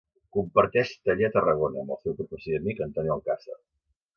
Comparteix taller a Tarragona amb el seu professor i amic Antoni Alcàsser.